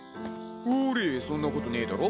ほれそんなことねぇだろ？